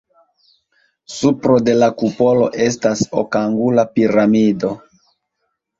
Supro de la kupolo estas okangula piramido.